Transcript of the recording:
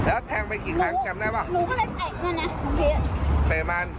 หรอแล้วแทงไปกี่ครั้งจำได้ป่ะหนูก็เลยแปะมาน่ะแต่มัน